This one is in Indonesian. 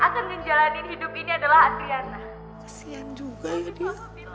kasihan juga ya dia